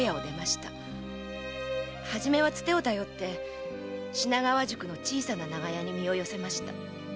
はじめはつてを頼って品川宿の小さな長屋に身を寄せました。